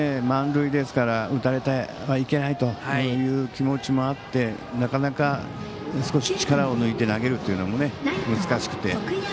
満塁ですから打たれてはいけないという気持ちもあって、なかなか少し力を抜いて投げるというのも難しくて。